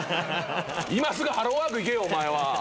今すぐハローワーク行けよお前は。